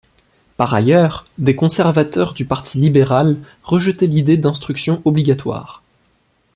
Par ailleurs, des conservateurs du parti libéral rejetaient l’idée d’instruction obligatoire.